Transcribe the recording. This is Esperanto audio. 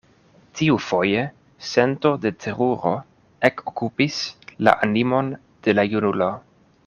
Tiufoje sento de teruro ekokupis la animon de la junulo.